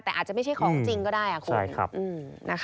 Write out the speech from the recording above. แต่อาจจะไม่ใช่ของจริงก็ได้คุณ